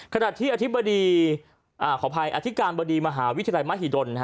ขณะที่อธิบดีขออภัยอธิการบดีมหาวิทยาลัยมหิดล